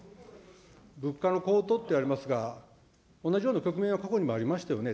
物価の高騰っていわれますが、同じような局面は過去にもありましたよね。